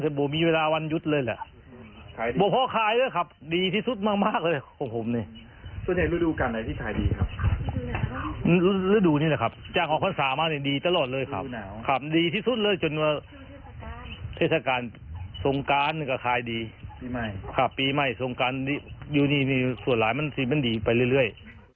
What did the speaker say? ส่วนหลายมันสีมันดีไปเรื่อย